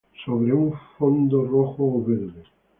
Sobre un fondo rojo o verde.